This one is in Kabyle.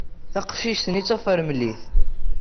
Taqcict-nni d tafremlit.